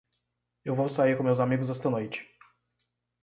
Eu vou sair com meus amigos esta noite.